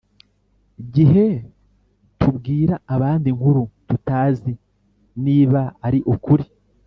gihe tubwira abandi inkuru tutazi niba ari ukuri